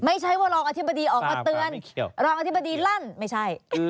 ไม่ใช่ว่ารองอธิบดีออกมาเตือนรองอธิบดีลั่นไม่ใช่